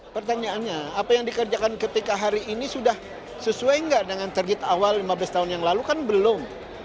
pertanyaannya apa yang dikerjakan ketika hari ini sudah sesuai enggak dengan target awal lima belas tahun yang lalu kan belum